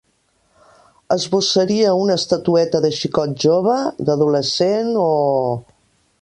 Esbossaria una estatueta de xicot jove, d'adolescent o…